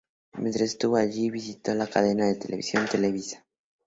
Mientras estuvo allí, visitó la cadena de televisión Televisa.